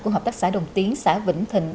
của hợp tác xã đồng tiến xã vĩnh thịnh